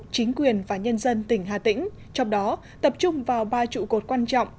chính quyền và nhân dân tỉnh hà tĩnh trong đó tập trung vào ba trụ cột quan trọng